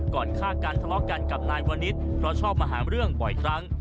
ก่อนฆ่าการทะเลาะกันกับนายวันนิษฐ์เพราะชอบมหาเรื่องบ่อยกลัง